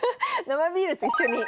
生ビールと一緒に。